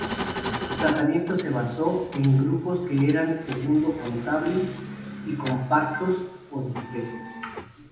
Su tratamiento se basó en grupos que eran segundo-contable y compactos o discretos.